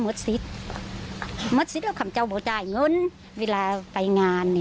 มดซิดมดซิดก็คำเจ้าบอกจ่ายเงินเวลาไปงานนี่